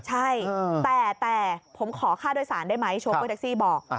ใช่แต่ผมขอค่าโดยสารได้ไหมโชเฟอร์แท็กซี่บอก